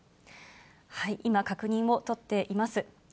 今、確認を取っています。